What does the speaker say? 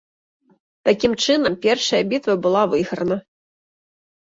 Такім чынам, першая бітва была выйграна.